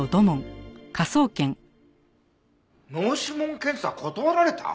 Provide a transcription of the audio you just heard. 脳指紋検査断られた？